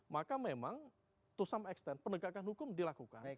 maka memang to some extent penegakan hukum dilakukan